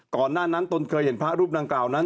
ก่อนหน้านั้นตนเคยเห็นพระรูปดังกล่าวนั้น